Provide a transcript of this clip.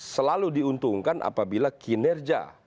selalu diuntungkan apabila kinerja